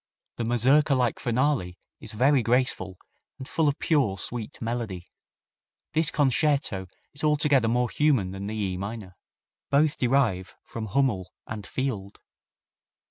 The mazurka like finale is very graceful and full of pure, sweet melody. This concerto is altogether more human than the E minor. Both derive from Hummel and Field.